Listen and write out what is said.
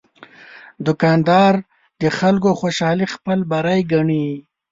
دوکاندار د خلکو خوشالي خپل بری ګڼي.